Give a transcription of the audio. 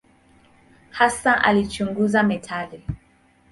Hasa alichunguza metali.